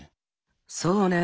そうね。